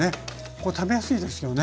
こう食べやすいですよね。